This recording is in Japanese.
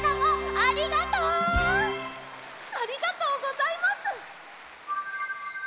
ありがとうございます！